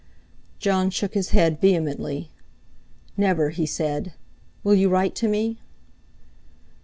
Jon shook his head vehemently. "Never!" he said. "Will you write to me?"